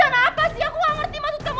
aku gak ngerti maksud kamu